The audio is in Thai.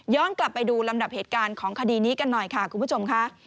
กลับไปดูลำดับเหตุการณ์ของคดีนี้กันหน่อยค่ะคุณผู้ชมค่ะ